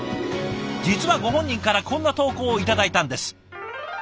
実はご本人からこんな投稿を頂いたんです。